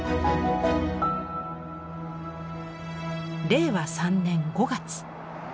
令和３年５月。